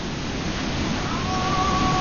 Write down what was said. په دا ماته ژبه چاته پیغام ورکړم